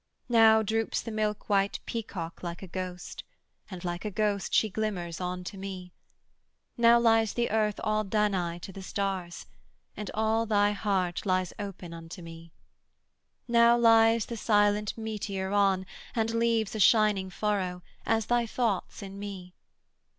Now droops the milkwhite peacock like a ghost, And like a ghost she glimmers on to me. Now lies the Earth all Danaë to the stars, And all thy heart lies open unto me. Now lies the silent meteor on, and leaves A shining furrow, as thy thoughts in me.